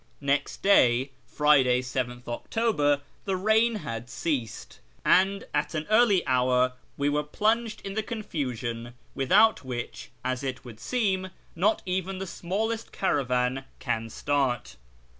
Next day (Friday 7th October) the rain had ceased, and at an early hour we were plunged in the confusion without which, as it would seem, not even the smallest caravan can start.